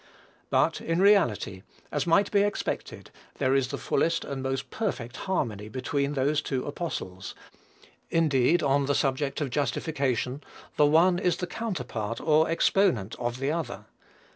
But, in reality, as might be expected, there is the fullest and most perfect harmony between those two apostles; indeed, on the subject of justification, the one is the counterpart or exponent of the other.